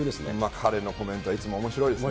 彼のコメントはいつもおもしろいですね。